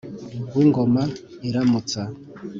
w’ingoma iramutsa